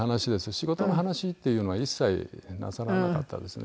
仕事の話っていうのは一切なさらなかったですね。